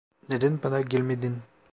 Neden bana gelmedin?